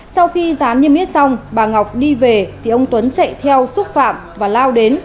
sau khi rán niêm yết xong bà ngọc đi về thì ông tuấn chạy theo xúc phạm và lao đến